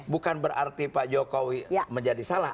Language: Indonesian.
bukan berarti pak jokowi menjadi salah